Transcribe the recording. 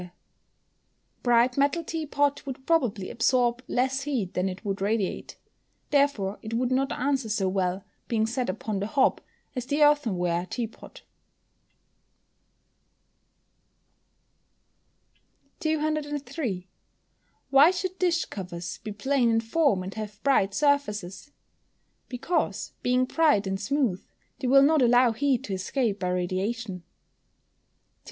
_ The bright metal tea pot would probably absorb less heat than it would radiate. Therefore it would not answer so well, being set upon the hob, as the earthenware tea pot. 203. Why should dish covers be plain in form, and have bright surfaces? Because, being bright and smooth, they will not allow heat to escape by radiation. 204.